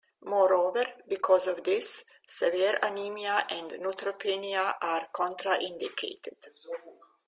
Moreover, because of this, severe anemia and neutropenia are contraindicated.